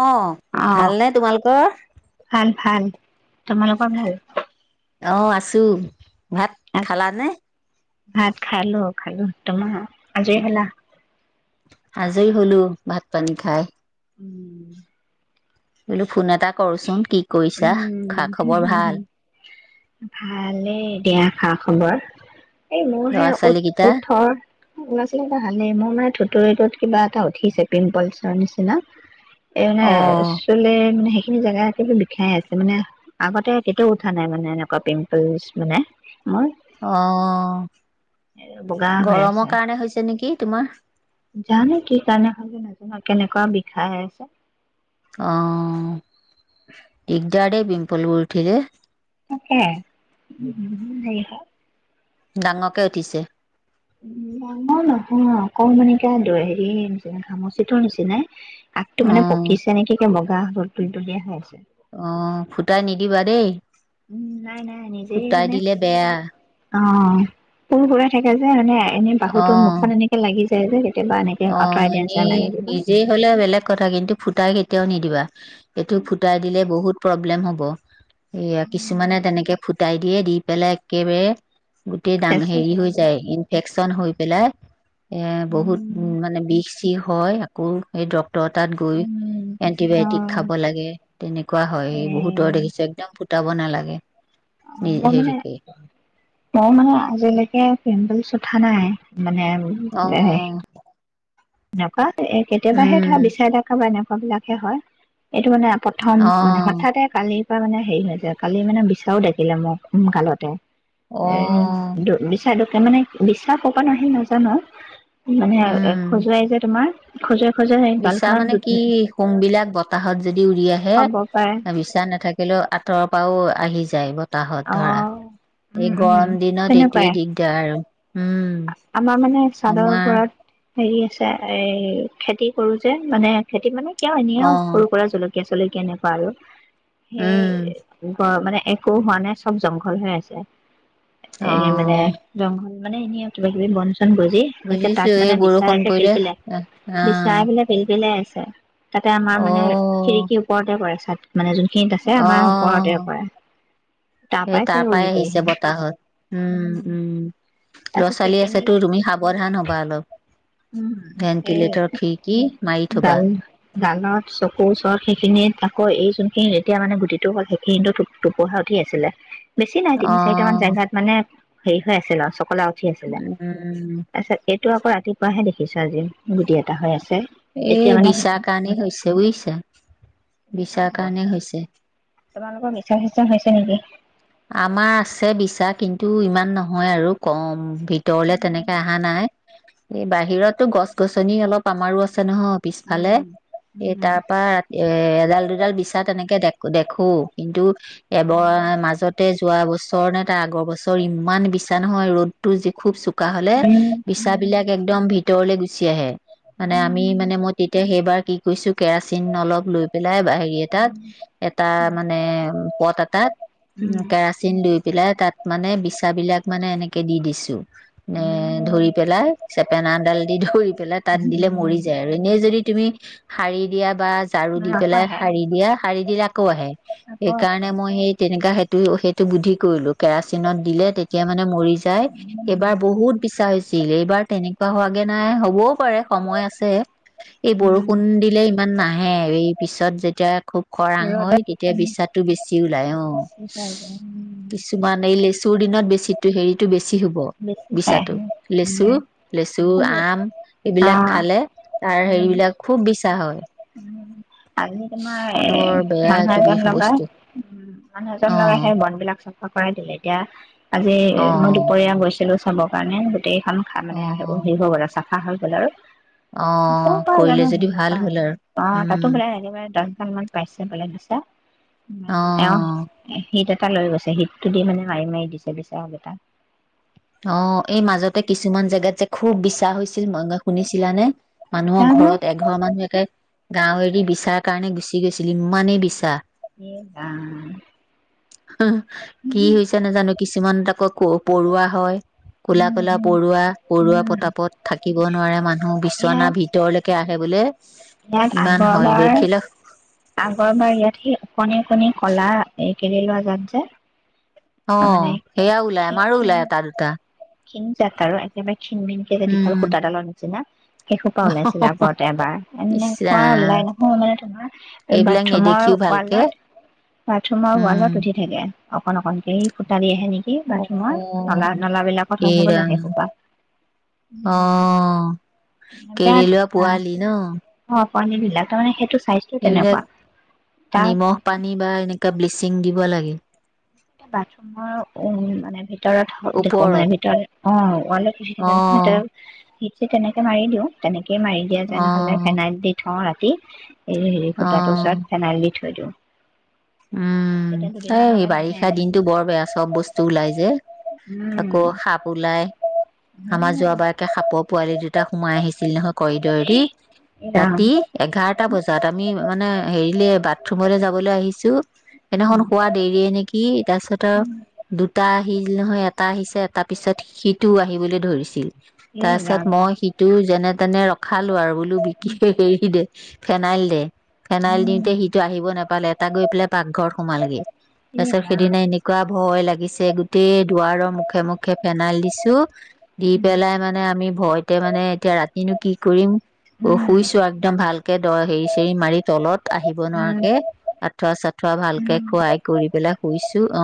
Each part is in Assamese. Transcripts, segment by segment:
অ', ভালনে তোমালোকৰ? ভাল ভাল। তোমালোকৰ ভাল? অ', আছোঁ। ভাত আজ খালা নে? ভাত খালো খালো তোমাৰ আজৰি হ'লা? শুলোঁ ভাত পানী খাই। উম। ক'ৰচোন কি কৰিছা, খা হম খবৰ হম ভাল? হম ভালেই দিয়া খা খবৰ। এই মোৰ হে ল'ৰা ছোৱালী উট কেইটা? ওঠৰ ও ল'ৰা ছোৱালীবিলাক ভালেই মোৰ মানে থুতুুৰিটোত কিবা এটা উঠিছে পিম্পলছৰ নিচিনা। এই মানে, অ'। আচলে হেই এখিনি জেগা [unintelligible] বিষাই আছে মানে, আগতে কেতিয়াও উঠা নাই মানে এনেকুৱা পিম্পলছ মানে। মোৰ অ' বগা হৈ আছে গৰমৰ কাৰণে হৈছে নেকি? তোমাৰ? জানো কি কাৰণে হ'ল নাজানো আৰু কেনেকুৱা বিষাই আছে। অ একজাৰে বিম পলগঠিৰে তাকে, [unintelligible] হেৰি হয়। ডাঙৰকে উঠিছে। [unintelligible] অকৌ মানে এতিয়া দ হেৰি নিচিনা ঘামচিটোৰ নিচিনাই। আগতটো মানে অ', পকিছে নেকি ক বগা হ'ল [unintelligible] খাইছে। অ ফুটাই নিদিবা দেই উম নাই নাই নিজেই ফুটাই মানে দিলে বেয়া। অ', পৰু পুৰাই থাকে যে, এনে এনে বাহুতৰ অ', মুখখন এনেকে লাগি [unintelligible] আঁতৰাই অ', দিয়া এনে নিচিনা লাগে কিবা নিজেই হ'লে বেলেগ কথা, কিন্তু ফুটাই কেতিয়াও নিদিবা। এইটো ফুটাই দিলে বহুত প্ৰব্লেম হ'ব। এইয়া কিছুমানে তেনেকে ফুট টাইডলিয়ে দি পেলাই একেবাৰে। গোটেই ডাঙ হেৰি হৈ যায় ইনফেক একচন হৈ পেলাই এয়া বহুত উম মানে বিষ চিষ হয় আকৌ এই দ তৰ তাত গৈ উম অ এন্টিবায়টিক খাব লাগে। তেনেকুৱা হয়ে এ বহুতৰ দেখিছে একদম ফুট উটাব নালাগে। উ মই মানে হেৰিকে মই মানে আজিলৈকে পিম্পলছ উঠা নাই। মানে অ', এনেকুৱা এ কেতিয়াবাহে ধৰা উম, বিচাৰ দেকাব [unintelligible] বিলাকে হয় এইটো মানে প্ৰথম মানে অ', হঠাতে কালি ত মানে হেৰি হৈ যায়, কালি মানে বিছাও ডাকিলে মোক গালতে। এ, অ', দ বিছাতু তাৰমানানে বিশ্বাস কৰ পৰা আহিল নাজানো! মানে আৰু অ' উম। সজুৱাই যে তোমাৰ। সজোৱা বিছা মানে কি, সোমবিলাক বতাহত যদি উৰি আহে। হ'ব পাৰে বিছা নাথাকিলেও আঁতৰৰ পৰাও আহি যা যাইবত সতাহত অ ধৰা, উম এই উম গৰম দিনত তেনেকুৱাই এইটোৱেই দিগদাৰ উম, আমাৰ মানে চাদৰ আমাৰ। ওপৰত হেৰি আছে এ, খেতি কৰো যে মানে, খেতি মানে কিয় এনে অ আৰু সৰু সুৰা জল কে চলিল কেনেকুৱা আৰু। সেই উম ব মানে একো হোৱা নাই। চব জংঘল হৈ আছে। অ এই মানে জংঘল মানে এনে আৰু কিবা কিবি বন [unintelligible] গজি একে বুজিছো তাত মানে এই বিছা বৰষুণ একে পৰিলে পিলপিলাই। বিছাই অ আহিলে পিলপিলাই আছে। [inaudible] তাতে আমাৰ অ মানে খিৰিকীৰ ওপৰতে কৰে চাত মানে যোনখিনিত আছে অ আমাৰ ওপৰতে পৰে। সেই তাৰ চাগে উৰি পৰাই গৈ আহিছে আহিম বতাহত উম, উম, ল'ৰা তাৰপিছত ছোৱালী সেইখিনিত আছেতো তুমি সাৱধান হ'বা অলপ। উম, সেই ভেন্টিলেটৰ খিৰিকী মাৰি থবা ডাল গালত চকুৰ ওচৰত সেইখিনিত আকৌ এই জুন সেই এতিয়া মানে গুটিটো হ'ল সেইখিনিতো টোপ-টোপোহা উঠি আছিলে। বেছি নাই তিনি অ চাৰিটা মান জেগাত মানে হেৰি হৈ আছিল আৰু চকলা উঠি আছিলে। উম তাৰপিছত এইটো আকৌ ৰাতি কিবাহে দেখিছোঁ আজি, গুটি এটা হৈ আছে। এতিয়া এই মানে বিছাৰ সেইখিনি কাৰণেই হৈছে বুজিছা? তেনেকুৱাই বিছাৰ হ'ব কাৰণে চাগে হৈছে। তোমালোকৰ বিছা চিছা হৈছে নেকি? আমাৰ আছে বিছা কিন্তু ইমান নহয় আৰু কম। ভিতৰলে উম তেনেকে আহা নাই। এই বাহিৰতো গছ গছনি অলপ আমাৰো আছ আছে নহয় পিছফালে, এই উম তাৰ পৰা ৰাত এ, এডাল দুডাল বিছা তেনেকে [unintelligible] দেখো কিন্তু এবৰ উম মাজ [unintelligible] নে তাই আগৰ বছৰ ইমান বিছা নহয় ৰ'দতো যি খুব [unintelligible] হ'লে উম বিছাবিলাক একদম ভি ভিতৰলৈ গুচি আহে মানে আমি উম মানে মই তেতিয়া সেই কি কৈ কেৰাচিন অলপ লৈ পেলাই বা হেৰি এটাত এটা মানে পট এটাত দুই পেলাই তাত মানে বিছাবিলাক মানে এনেকে দি দিছোঁ। নে উম ধৰি পেলাই, চেপেনা এডাল দি ধুই পেলাই তাত দিলে মৰি যায় উম আৰু এনেই যদি তুমি শাৰী দিয়া বা ঝাৰু দি আকৌ পেলাই আহে শাৰী দিয়া। সাৰি দি [unintelligible] আহে আকৌ আহে সেইকাৰণে মই সেই তেনেকা [unintelligible] সেইটো বুদ্ধি কৰিলো কেৰাচিনত দিলে তেতিয়া মানে মৰি যায়। উম সেইবাৰ বহুত বিচা হৈছিল, এইবাৰ তেনেকুৱা হোৱাগে নাই হ'বও পাৰে সময় আছে। এই উম বৰষুণ দিলে ইমান [inaudible] হে এই পিছত যেতিয়া খুব খৰাং হয় ৰ'দত তেতিয়া উম বিচাটো বেছি ওলাই অ' [inaudible] বেছি পাই যায় উম কিছুমান এই লেচুৰ দিনত বেছি হেৰিটো [unintelligible] [unintelligible] হ'ব, বেছি পায় বিচাটো উম লেচু লেচু আম এবিলাক আহ খালে তাৰ উম হেৰিবিলাক খুব বিছা হয় উম, আজি তোমাৰ এ বৰ বেয়া মানুহ এইটো বিষ এজন লগাই বস্তু উ মানুহ অ এজন লগাই সেই বন বিলাক চ অ' কৰাই দিলে এতিয়া আজি অ এ মই দুপৰীয়া গৈছিলো। চবৰ কাৰণে গোটেইখন খা অ মানে [unintelligible] হা হৈ গ'ল আৰু। অ ক'ৰ পৰা জানো কৰিলে যদি সিহঁতৰ পৰা ভাল হ'ল আহে অ আৰু তাতো উম বোলে [unintelligible] দহজন মান পাইছে বোলে। [inaudible] অ [unintelligible] [inaudible] লৈ গৈছে হীতটো দি মানে মাৰি মাৰি দিছে বিচাগে'টা অ', এই মাজতে কিছুমান জেগাত যে খুব বিছা হৈছে [unintelligible] শুনিছিলাানে মানুহৰ জানো ঘৰত এঘৰ মানুহ একে গাঁও এৰি বিছাৰ কাৰণে গুচি গৈছিলি ইমানেই বিছা। এ আহ। অহ কি হৈছে নাজানো কিছুমানত আকৌ ক পৰুৱা হয় কলা কলা উম পৰুৱা পৰুৱা উম পতাপত থাকিব নোৱাৰে মানুহ বিচনা ইয়াত ভিতৰলৈকে আহ। তাই বোলে ইয়াত ইমান হয় আগৰবাৰ বেখিলা আগৰবাৰ ইয়াত সেই [unintelligible] আপুনি কলা এই কেৰি লোৱা যাত যে। অ মানে সেয়া ওলাই আমাৰো ওলাই এটা দুটা। খিনজাক আৰু একেবাৰে খিন মিনকে যে দীঘল উম, সূতাডালৰ হৈছিনা এইসোপা ওলাইছিল আগতে এবাৰ ইচ এনেকুৱা ৰাম ওলাই নহয় তোমাৰ এইবিলাক বাথৰুমৰ নেদেখিও ভালকে ৱালত, বাথৰুমৰ উম। ৱালত উঠি থাকে। অকন অকনকেই ফুটাদি আহে নেকি বাথৰুমৰ নলা অ' নলা বিলাক এই হ'বহ ৰাম লাহে কবা অ কেৰেলুৱা পোৱালি ন পানী বিলাক তাৰ মানে সেইটো চো এইবিলাক নিমখ পানী বা এনেকা ব্লিচি টিং দিব লাগে। বাথৰুমৰ উম মানে ভিতৰত দেখো মানে ওপৰত ভিতৰত অ ওয়ালত অ' [unintelligible] তেনেকে মাৰি দিওঁ। ফেন মাৰি দিয়া যেন হলে অ' ফেনাইল দি থওঁ ৰাতি কি? এই হেৰি ফুটাটো চাই অ' ফেনাইল দি থ [inaudible] তেতিয়া দুদিন মানলৈ নাহ তাত দিনতটো বৰ বেয়া চব বস্তু ওলাই যে, উম আকৌ সাপ ওলাই আমাৰ যোৱাবাৰকে সাপৰ পোৱালি দুটা সোমাই আহিছিল নহয়, কৰিডৰদি এই ৰাম ৰাতি এঘাৰটা বজাত। আমি মানে হেৰিলে বাথৰুমলৈ যাবলৈ আহিছোঁ। উম এনেখন শোৱা দেৰিয়ে নেকি। তাৰপিছত আৰু দুটা হিল নহয় এটা আহিছে এটা পিছত সিটোও আহি [unintelligible] ধৰিছিল। এই তাৰ ৰাম পিছত মই সিটো যেনে তেনে ৰখা। খালো আৰু বোলো বিকি হেৰি দে ফেনাইল দে। ফেনাইল উম দিওঁতে সিটো আহিব নাপালে। এটা গৈ পেলাই পাকঘৰত সোমালগে তাৰ এই পিছত ৰাম সেইদিনা এনেকুৱা ভয় লাগিছিল। পিছে গোটেই দুৱাৰৰ মুখে মুখে ফেনাইল দিছো। দি উম পেলাই মানে আমি ভয়তে মানে এতিয়া ৰাতিনো কি কৰিম উম শুইছো। একদম ভালকে দ হেৰি চেৰি মাৰি তলত আহিব উম নোৱাৰাকে আঠুৱা চাঠুৱা ভালকে উম খুৱাই কৰি পেলাই শুইছো। অ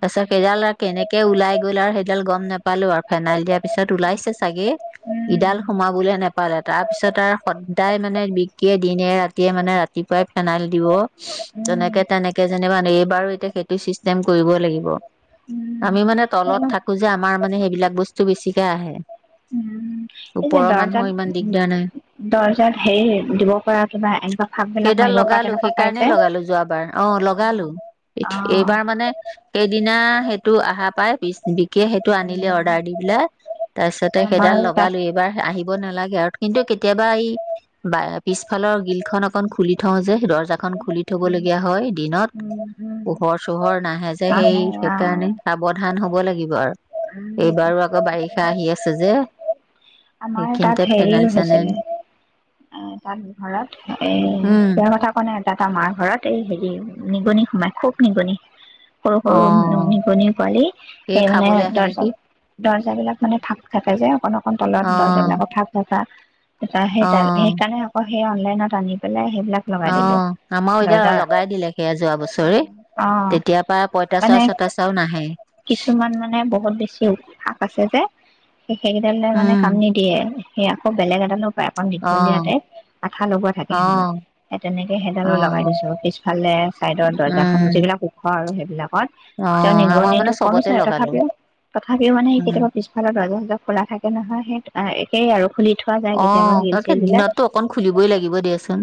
তাৰ পিছত সেইডাল কেনেকে ওলাই গ'ল আৰু সেইডাল গম নাপালো আৰু। ফেনাইল দিয়াৰ পিছত ওলাইছে চাগে, ইডাল সোমাবলৈ নেপালে তাৰ পিছত আৰু সদায় মানে বিকিয়ে দিনে ৰাতিয়ে মানে ৰাতিপুৱাই ফেনাইল দিব। তেনেকে উম তেনেকে যেনিবা এইবাৰো এতিয়া সেইটো চিষ্টেম কৰিব লাগিব। উম আমি মানে তলত উম থাকো যে- আমাৰ মানে সেইবিলাক বস্তু বেছিকে আহে। এই যে ওপৰৰ মানুহৰ দৰ্জাত, ইমান দিগদাৰ নাই দৰ্জাত হেৰি দিব পৰা কিবা এনেকুৱা ফাক বিলাক সেইডাল মাৰিব পৰা লগালো তেনেকুৱা পাই সেইকাৰণে যে। লগালো যোৱাবাৰ অ লগালো অ এইবাৰ মানে সেইদিনা সেইটো আহা পাই পিছ [unintelligible] সেই সেইটো আনিলে উম অৰ্ডাৰ ইবিলাক তাৰ পিছ আমাৰ সেইডাল তাত লগালো এইবাৰ আহিব নালাগে আৰু কিন্তু কেতিয়াবা এই বা পিছফালৰ গিল খন অকন খুলি থওঁ যে দৰ্জা দৰ্জাখন খুলি থব উম লগীয়া হয় দিনত। উম উম পোহৰ চোহৰ নাহে যে সেই আহে আহ সেইকাৰণে সাৱধান হওঁক। হব লাগিব আৰু উম আৰু আকৌ বাৰিষা আহি আছে যে। আমাৰ তাত সেইখিনিতে হেৰি ফেনাইল হৈছে চেনাইল গে তাত ঘৰত এ উম বেয়া কথা কোৱা নাই তাত আৰু মাৰ ঘৰত এই হেৰি নিগনি সোমাই খুব নিগনি সৰু অ সৰু নিগনিৰ পোৱালি এই সেই মানে খাবলৈ আহে দৰ্জা নেকি দৰ্জাবিলাক মানে ফাক কাতে যে অকণ অকণ দৰ্জা অ বিলাক ফাক ফাক ফাক [unintelligible] সেই অ কাৰণে আকৌ সেই অনলাইনত আনি পেলাই সেইবিলাক লগাই অ দিলো আমাৰো এতিয়া দৰ্জাৰ লগাই দিলে সেয়া যোৱা অ বছৰে অ তেতিয়াৰ পৰা পঁইতাচোৰা মানে চতাচোৰাও নাহে কিছুমান মানে বহুত বেছি ফাক আছে যে সেই সেইকেইডাল লৈ মানে উম সেয়া সেই আকৌ বেলেগ আ অ দীঘলীয়া টাইপ আঠা লগোৱা থাকে অ সেইডালত সেই তেনেকে সেইডালো অ লগাই দিছো পিছফালে চাইদৰ দৰ্জাখনন উম যিবিলাক ওখ আৰু সেইবিল অ তেওঁ আমাৰ নিগনিটো মানে কমিছে চবতে আৰু লগালো তথাপিও তথাপিও মানে উম কেতিয়াবা পিছফালত দৰ্জা চৰ্যা খোলা থাকে নহয় সেই একেই আৰু খুলি থোৱা যায় অ কেতিয়াবা শিল তাকে চিল বিলাক। দিনততো অকন খুলিবই লাগিব দিয়াচোন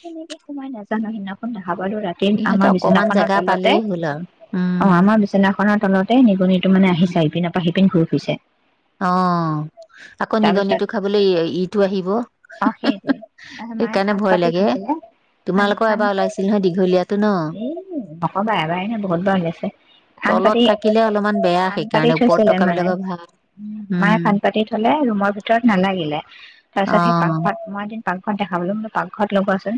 কেনেকে সোমাই নাজানো সিনাখনা ভবালো ৰাতি সিহঁতে আমাৰ অকমান বিছনাখনৰ জেগা তলতে পালেই হ'ল আৰু অ উম আমাৰ বিচনাখনৰ তলতে নিগনিটো মানে উম, আহিছা ইপিনৰ পৰা সিপি ঘূ পিছে অ' আকৌ পিছত নিগনিটো খাবলৈ ইটো আহিব, অ সেইটোৱে তাৰপিছত মায়ে সেইকাৰণে ফান ভয় পাতি লাগ এএ থৈছিলে ফান তোমালোকৰ ফান এবাৰ ওলাইছিল নহয় দীঘলীয়াতটো ন? অকবা এবাৰেনে বহুতবাৰ হৈ আছে? ফাঁন তলত পাতি, থাকিলে অলপমান বেয়া ফাঁন পাতি সেইকাৰণে ওপৰত থৈছিলে থকা মায়ে, বিলাকৰ ভাল মায়ে উম ফাঁন পাতি থ'লে ৰুমৰ ভিতৰত নালাগিলে, তাৰ পিছত সেই অ' পাকঘত মই এদিন পাৰ্কত দেখা পালোঁ। পাকঘৰত লগোৱা আছে।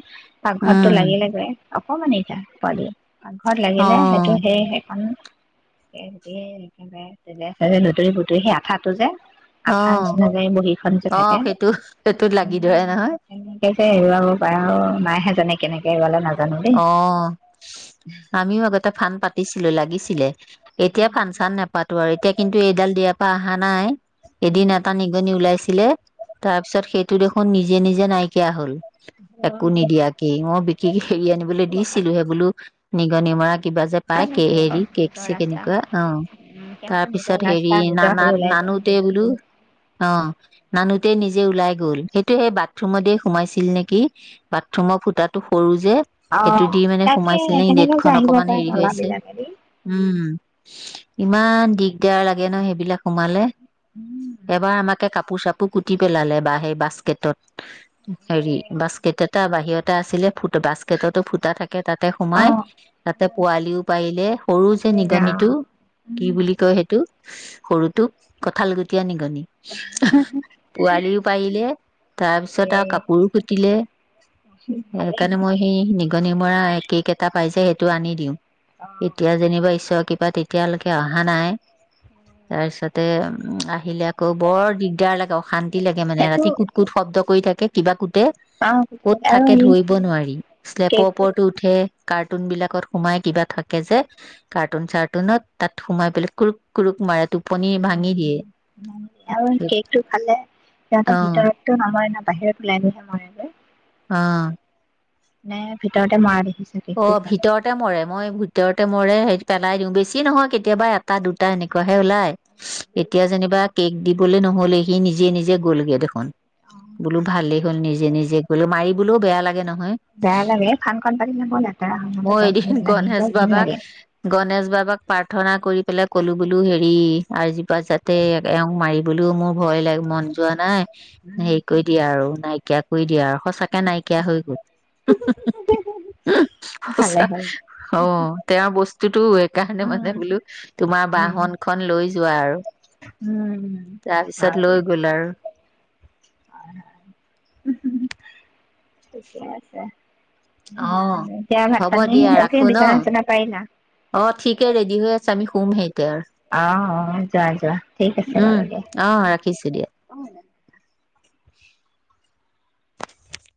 পাকঘৰততো উম লাগিলে গৈ অকমান এইতা পলি পাকঘৰত লাগিলে সেইটো অ' সেই সেইখন এতিয়াই একেবাৰে তেনে চ লুটুৰি পুটুৰি সেই আঠাটো যে আঠা অহ নিচিনা যে বহীখন যে অহ থাকে সেইটো সেইটোত লাগি ধৰে নহয়। তেনেকে যে এৰুৱাব আৰু পাই মাইহে জানে কেনেকে এইবালে নাজান অ আমিও আগতে ফান পাত পতিছিলোঁ লাগিছিলে এতিয়া ফান চান নেপাত হয় এতিয়া কিন্তু এইডাল দিয়াৰ পৰা অহা নাই। এদিন এটা কি নিগনি ওলাইছিলে তাৰপিছত সেইটো দেখোন নিজে নিজে নাইকিয়া হ'ল। একো আৰু নিদিয়া কি মই ঠিক হেৰি আনিবলৈ দিছিলোঁ হে বোলো নিগনি মৰা কিবা যে পাই কে হেৰি কেক নিজৰ চ ৰাস্তা কেনেকুৱা অ উম তাৰ সিহঁতৰ নিজৰ পিছত হেৰি ৰাস্তা নিজৰ হেৰি নানাত ওলাই যায়। নানোতে বোলো অ নানোতে নিজে ওলাই গ'ল সেইটো সেই বাথৰুমতে সোমাইছিল নেকি বাথৰুমৰ ফুটাটো সৰু যে। সেইটো আহ দি মানে তাকে সোমাইছিল নে কেনেকৈ যে নেটখন আহিব অকমান পাৰে হেৰি হৈ নলা আছে বিলাকেদি। উম ইমান দিগদাৰ লাগে ন সেইবিলাক সোমালে। এবাৰ আমাকে কাপ কাপোৰ চাপোৰ কুটি পেলালে বা সেই বাস্কেটত হেৰি বাস্কেট এটা বাহিৰত টা আছিলে ফুট বা পেটতো ফুটা থাক তাতে অ সোমাই তাতে পোৱালিও পাইলে সৰু যে এ ৰাম নিগনিতটো কি উম বুলি কয় হেটো? সৰুতোক কঁঠালগুটীয়া নি পোৱালিও পাইলে তাৰপিছত এ আ কাপোৰো কুটিলে, ভালে সেইকাৰণে মই নিগনি মৰা কেক এটা পাইছে হেটো আনি দিওঁ। অ এতিয়া যেনিবা ঈশৰক কিবা তেতিয়ালৈকে অহা নাই তাৰ পিছতে উম, আহিলে আকৌ বৰ দিগদাৰ লাগে অশা তি লাগে মানে সেইটো ৰাতি কুত কুট শব্দ কই থাকে কিবা কুট অ কত আৰু থাকে এই ধৰিব নোৱাৰি লেপৰ কেকটো ওপৰতো উঠে। এ কাৰ্টুন বিলাকত সোমাই কিবা থাকে যে কাৰ্টুন চাৰ্টুনত তাত সোমাই পেলাই কুৰুক কুৰুক মাৰে টোপনি উ ভাঙি দিয়ে আৰু কেকটো খালে অ সিহঁতে ভিতৰতটো নমৰে ন বাহিৰত ওলাই নহে [unintelligible] অহ নে ভিতৰতে ময়া অ ভিতৰতে মৰে মই ভিতৰত মৰে হে পেলাই দিওঁ বেছি নহয় কেতিয়াবা এটা দুটা এনেকুৱাাহে ওলাই এতিয়া যেনিবা কেক দিবলে নহ হলে সি নিজে নিজে গ'লগে দেখোন বোলো ভালেই হ'ল নিজ নিজে নিজে কইলেও মাৰিবলৈও বেয়া লাগে ন বেয়া লাগে ফানখন পাতি থবলে, মই এদিন গণেশ বাবাক, গণেশ বা কাবাক প্ৰাৰ্থনা কৰি পেলাই ক'লো বোলো হেৰি আজিপা যাতে এ এওঁ মাৰিবলৈও মোৰ ভয় লাগ মন যোৱা নাই। হেই কই দিয়া আৰু নাই তাইক কই দিয়া আ সচাঁকে নাইকিয়া হৈ গল ভালে সচা হ'ল অ তেওঁ বস্তুতটো একাৱণে মানে উম বোলো তোমা উম বাহন খন লৈ যোৱা আৰু উম তাপিছত হয় লৈ দে গ'ল আৰু। ঠিকে আছে। অ এতিয়া ভাত হ'ব পানী দিয়া কি ৰাখো ন বিচনা চিচনা পাৰিলা অ ঠিকে ৰেডি হৈ আছা আমি শুম হে আহ আহ যোৱা যোৱা ঠিক আৰু আছে উম বাৰু দে অ ৰাখিছো দিয়া আহ!